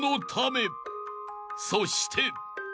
［そして］